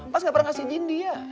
mas gak pernah ngasih izin dia